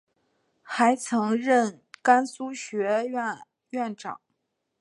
还曾任甘肃学院院长。